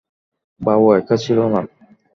বাবু একা ছিলো না।